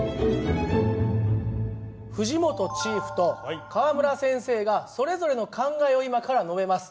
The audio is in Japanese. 藤本チーフと川村先生がそれぞれの考えを今から述べます。